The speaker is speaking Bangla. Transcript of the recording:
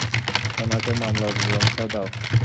উনাকে মামলার বিবরণটা দাও।